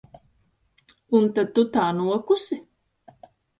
Un tad tu tā nokusi?